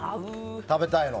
食べたいの。